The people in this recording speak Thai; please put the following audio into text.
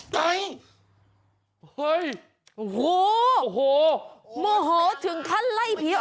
โธ่เมื่อเป็นอะไร